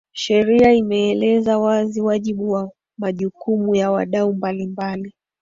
Sheria imeeleza wazi wajibu na majukumu yawadau mbalimbali